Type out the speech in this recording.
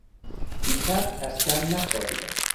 دیشب اصلا نخوابیدم.